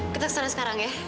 kita kesana sekarang ya